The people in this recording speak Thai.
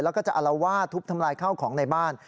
แล้วก็จะอารวาสทุบทำลายข้าวของในบ้าน